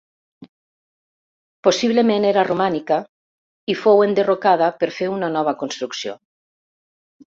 Possiblement era romànica i fou enderrocada per fer una nova construcció.